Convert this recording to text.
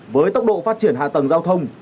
với tốc độ phát triển hạ tầng giao thông